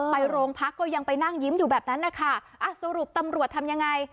ไปโรงพักก็ยังไปนั่งยิ้มอยู่แบบนั้นนะคะอ่ะสรุปตำรวจทำยังไง